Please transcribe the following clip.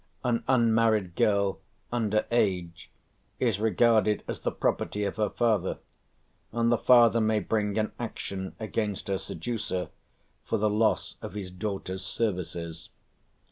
An unmarried girl, under age, is regarded as the property of her father, and the father may bring an action against her seducer for the loss of his daughter's services.